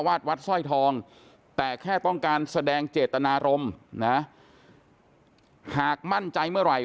วัดสร้อยทองแต่แค่ต้องการแสดงเจตนารมณ์นะหากมั่นใจเมื่อไหร่